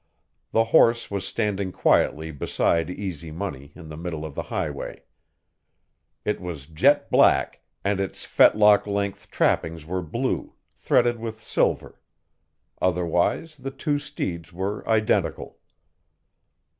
The horse was standing quietly beside Easy Money in the middle of the highway. It was jet black and its fetlock length trappings were blue, threaded with silver; otherwise, the two steeds were identical.